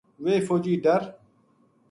ویہ فوجی ڈر